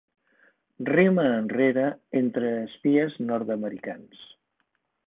Rema enrere entre espies nord-americans.